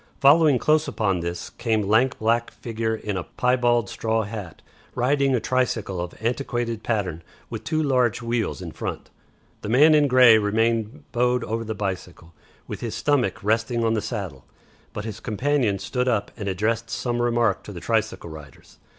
Following close upon this came lank black figure in a piebald straw hat, riding a tricycle of antiquated pattern with two large wheels in front. The man in grey remained bowed over the bicycle, with his stomach resting on the saddle, but his companion stood up and addressed some remark to the tricycle riders.